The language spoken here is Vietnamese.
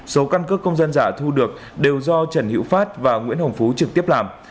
số căn cước công dân giả thu được đều do trần hữu phát và nguyễn hồng phú trực tiếp làm